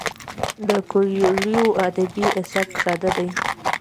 د کویلیو ادبي سبک ساده دی.